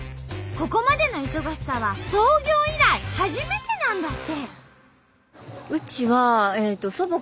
ここまでの忙しさは創業以来初めてなんだって。